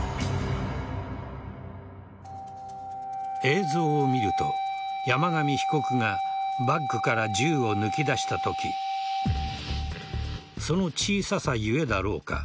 映像を見ると山上被告がバッグから銃を抜き出したときその小ささゆえだろうか